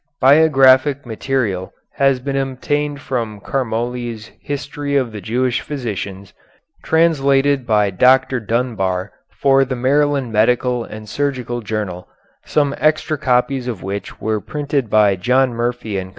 Biographic material has been obtained from Carmoly's "History of the Jewish Physicians," translated by Dr. Dunbar for the Maryland Medical and Surgical Journal, some extra copies of which were printed by John Murphy and Co.